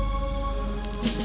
menangani dia untuk menangani dia